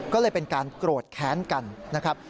ก็เลยเป็นการโกรธแค้นกันนะครับ